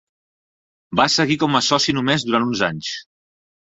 Va seguir com a soci només durant uns anys.